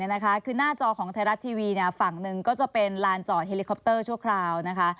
คือหน้าจอของไทยรัฐทีวีฝั่งหนึ่งก็จะเป็นลานจอดเฮลิคอปเตอร์ชั่วคราวนะคะ